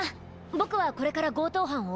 ボクはこれから強盗犯を追う。